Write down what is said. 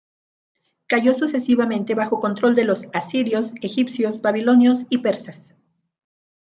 Cayó sucesivamente bajo control de los, asirios, egipcios, babilonios, y persas.